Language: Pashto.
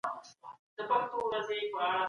سياسي بنديان د استبدادي حکومتونو لخوا ځورول کيږي.